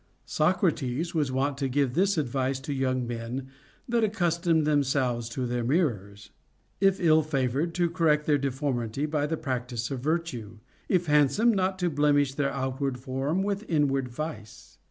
Socrates was wont to give this advice to young men that accustomed themselves to their mirrors :— if ill fa vored, to correct their deformity by the practice of virtue ; if handsome, not to blemish their outward form with in ward vice.